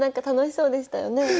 楽しそうでしたよね。